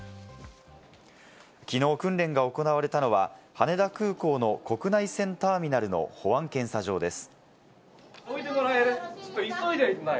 きのう訓練が行われたのは羽田空港の国内線ターミナルの保安検査場です。